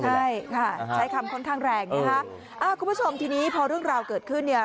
ใช่ค่ะใช้คำค่อนข้างแรงนะคะอ่าคุณผู้ชมทีนี้พอเรื่องราวเกิดขึ้นเนี่ย